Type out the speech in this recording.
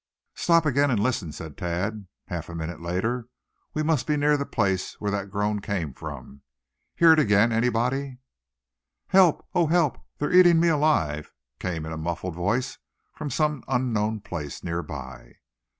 "Stop again, and listen," said Thad, half a minute later. "We must be near the place where that groan came from. Hear it again, anybody?" "Help! oh, help! they're eating me alive!" came in a muffled voice from some unknown place near by.